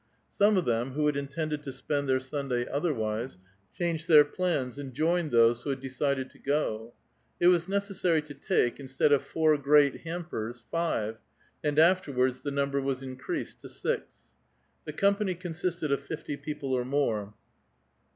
Some of them, who had J>^ tended to spend their Sunday otherwise, changed their pl^.118 and joined those who had decided to go. It was nec essary to take instead of four great hampers, five, and after ^^X'ds the number was increased to six. The compan\' ^^O sisted of fifty people or more.